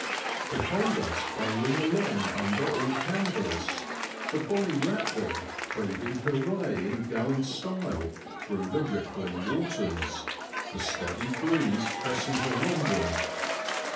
Behold us bowling along under all canvas, the bonnie Lapwing cleaving her way in gallant style through the rippling waters, the steady breeze pressing her onward.